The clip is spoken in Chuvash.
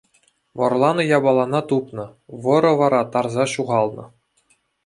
Вӑрланӑ япалана тупнӑ, вӑрӑ вара тарса ҫухалнӑ.